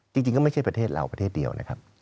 จริงก็ไม่ใช่ประเทศเราประเทศเดียวนะครับ